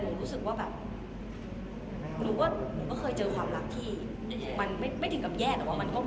หนูรู้แหละว่าสิ่งที่มันอีกคือแยก